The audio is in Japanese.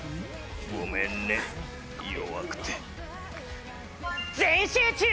ごめんね弱くて全集中！